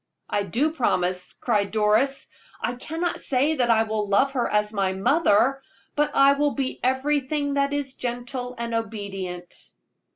"I do promise," cried Doris. "I cannot say that I will love her as my mother, but I will be everything that is gentle and obedient."